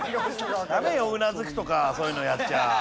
ダメようなずくとかそういうのやっちゃ。